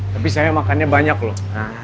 tapi saya makannya banyak loh